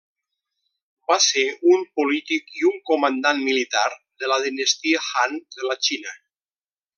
Va ser un polític i un comandant militar de la Dinastia Han de la Xina.